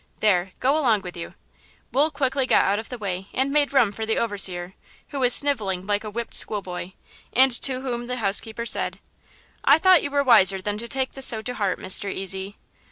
There, go along with you." Wool quickly got out of the way and made room for the overseer, who was sniveling like a whipped schoolboy, and to whom the housekeeper said: "I thought you were wiser than to take this so to heart, Mr. Ezy."